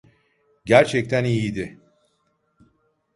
Gerçekten iyiydi.